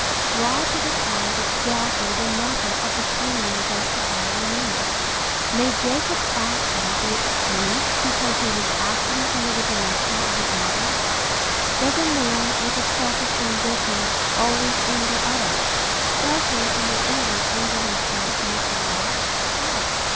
Try to define exactly the method of determining justifiable means. May Jacob's action be excused because he was acting under the direction of his mother? Does a man with a selfish ambition always injure others? Does he in the end injure himself most of all? How?